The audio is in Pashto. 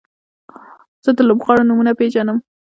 زه د لوبغاړو نومونه پیژنم.